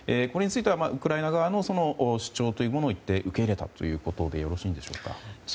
これについては、ウクライナ側の主張というものを受け入れたということでよろしいんでしょうか。